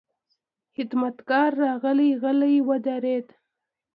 خدمتګار راغی، غلی ودرېد.